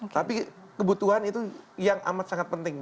tapi kebutuhan itu yang amat sangat penting